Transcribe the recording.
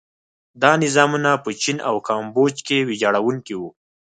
دا نظامونه په چین او کامبوج کې ویجاړوونکي وو.